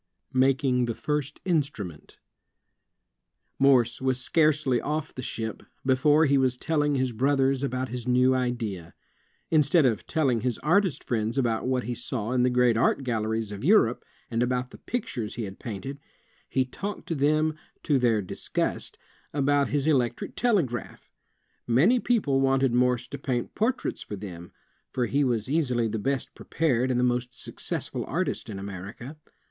'' Making the First Instrument Morse was scarcely oflF the ship, before he was telling his brothers about his new idea. Instead of telling his artist friends about what he saw in the great art galleries of Europe, and about the pictures he had painted, he talked to them, to their disgust, about his electric tele graph. Many people wanted Morse to paint portraits for them, for he was easily the best prepared and the most successful artist in America.